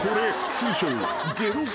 ［通称］